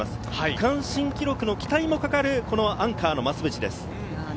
区間新記録の期待もかかるアンカーの増渕です。